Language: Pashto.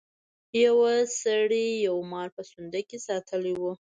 یو سړي یو مار په صندوق کې ساتلی و.